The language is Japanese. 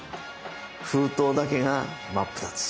封筒だけが真っ二つ！